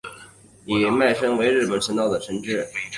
比卖神为日本神道的神只。